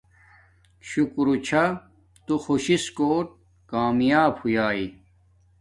شکورچھا تو خوش شس کوٹ کامیاب ہویاݵݵ